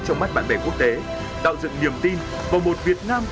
trong mắt bạn bè quốc tế tạo dựng niềm tin vào một việt nam